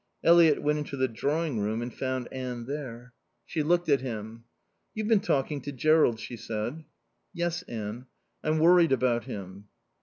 Eliot went into the drawing room and found Anne there. She looked at him. "You've been talking to Jerrold," she said. "Yes, Anne. I'm worried about him."